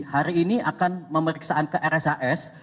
hari ini akan memeriksaan ke rshs